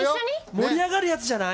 盛り上がるやつじゃない？